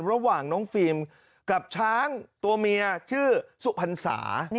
ระหว่างน้องฟิล์มกับช้างตัวเมียชื่อสุพรรษา